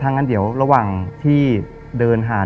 งั้นเดี๋ยวระหว่างที่เดินหา